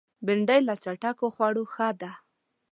بېنډۍ له چټکو خوړو ښه ده